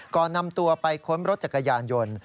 ก่อนนำตัวไปค้นรถจักรยานยนต์